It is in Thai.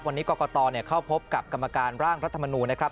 วันนี้กรกตเข้าพบกับกรรมการร่างรัฐมนูลนะครับ